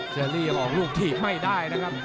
เจ้าเชอรี่บอกลูกทีพไม่ได้นะครับ